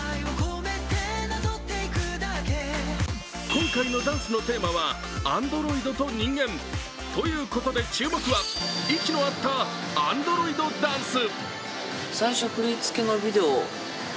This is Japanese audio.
今回のダンスのテーマはアンドロイドと人間。ということで注目は息の合ったアンドロイドダンス。